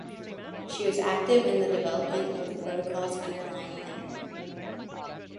She was active in the development of the protocols underlying the Internet.